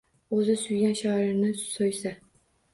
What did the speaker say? Oʻzi suygan shoirni soʻysa